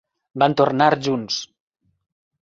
Van tornar junts.